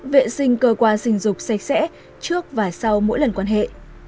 vệ sinh cơ quan sinh dục sạch sẽ trước và sau mỗi lần quan hệ